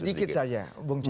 sedikit saja bung celi